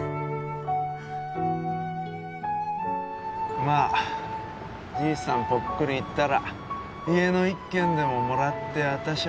まあじいさんポックリいったら家の一軒でももらってあたしゃ